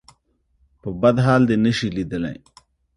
په بد حال دې نه شي ليدلی.